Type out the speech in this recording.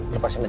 lepaskan dia ya